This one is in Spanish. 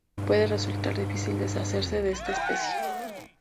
Puede resultar difícil deshacerse de esta especie.